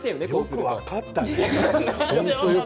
よく分かったよね。